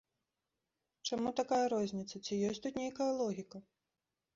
Чаму такая розніца, ці ёсць тут нейкая логіка?